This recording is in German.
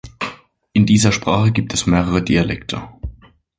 In dieser Sprache gibt es mehrere Dialekte.